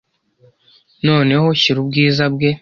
noneho shyira ubwiza bwe